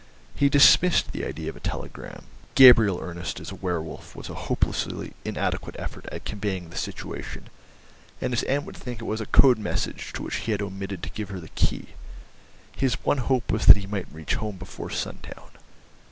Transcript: He dismissed the idea of a telegram. "Gabriel Ernest is a werewolf" was a hopelessly inadequate effort at conveying the situation, and his aunt would think it was a code message to which he had omitted to give her the key. His one hope was that he might reach home before sundown.